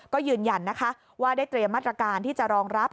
ก็ยืนยันนะคะว่าได้เตรียมมาตรการที่จะรองรับ